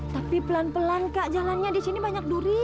tapi pelan pelan kak jalannya di sini banyak duri